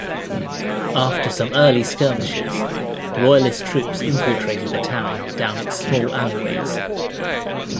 After some early skirmishes, Royalist troops infiltrated the town down its small alleyways.